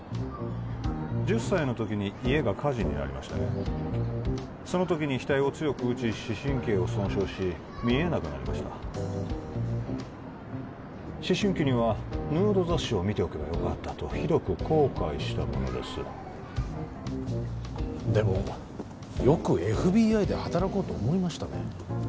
１０歳の時に家が火事になりましてねその時に額を強く打ち視神経を損傷し見えなくなりました思春期にはヌード雑誌を見ておけばよかったとひどく後悔したものですでもよくＦＢＩで働こうと思いましたね